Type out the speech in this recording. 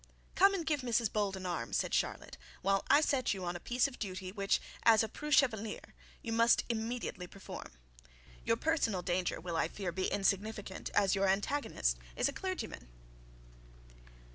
'Come and give Mrs Bold your arm,' said Charlotte, 'while I set you on a piece of duty which, as a preux chevalier, you must immediately perform. Your personal danger will, I fear, be insignificant, as your antagonist is a clergyman.'